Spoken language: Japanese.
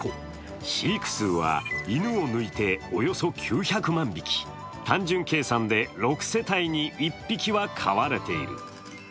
飼育数は犬を抜いておよそ９００万匹単純計算で６世帯に１匹は飼われている。